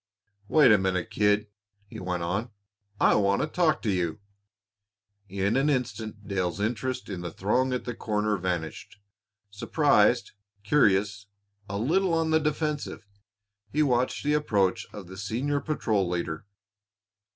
"Wait a minute, kid," he went on; "I want to talk to you." In an instant Dale's interest in the throng at the corner vanished. Surprised, curious, a little on the defensive, he watched the approach of the senior patrol leader.